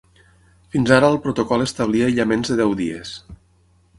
Fins ara el protocol establia aïllaments de deu dies.